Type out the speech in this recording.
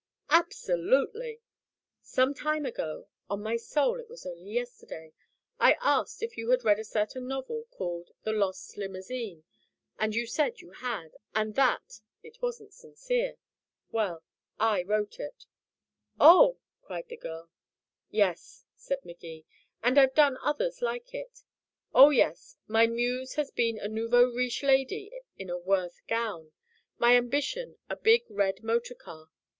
"Absolutely. Some time ago on my soul, it was only yesterday I asked if you had read a certain novel called The Lost Limousine, and you said you had, and that it wasn't sincere. Well, I wrote it " "Oh!" cried the girl. "Yes," said Magee, "and I've done others like it. Oh, yes, my muse has been a nouveau riche lady in a Worth gown, my ambition a big red motor car.